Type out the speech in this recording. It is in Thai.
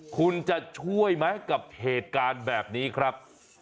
คุณจะช่วยไหมกับเหตุการณ์แบบนี้ครับ